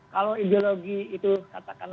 kalau ideologi itu katakan